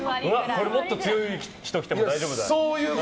これもっと強い人来ても大丈夫だ。